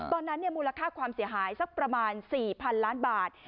มูลค่าความเสียหายสักประมาณ๔๐๐๐ล้านบาท